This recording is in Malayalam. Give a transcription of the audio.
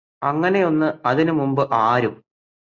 അങ്ങനെയൊന്ന് അതിനുമുമ്പ് ആരും